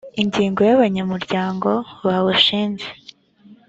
ingingo ya abanyamuryango bawushinze